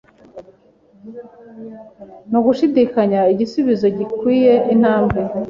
Nugushidikanya Igisubizo gikwiye Intambwe